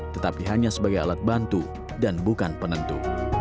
tetapi hanya sebagai alat bantu dan bukan penentu